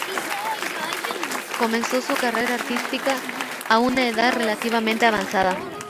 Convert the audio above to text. Comenzó su carrera artística a una edad relativamente avanzada.